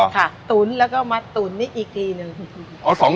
ตุ๋นแล้วก็มัดตุ๋นนี่อีกทีหนึ่ง